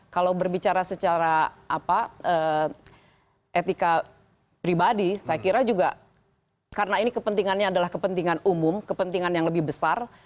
kalau berbicara secara etika pribadi saya kira juga karena ini kepentingannya adalah kepentingan umum kepentingan yang lebih besar